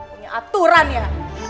punya aturan ya